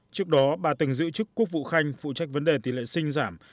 trước đó bà từng giữ chức quốc vụ khanh phụ trách vấn đề tỷ lệ sinh giảm